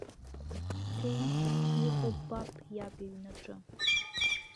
Бцеишь, иҟоу ббап иаб иҩнаҿы.